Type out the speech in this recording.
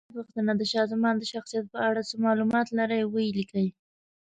لومړۍ پوښتنه: د شاه زمان د شخصیت په اړه څه معلومات لرئ؟ ویې لیکئ.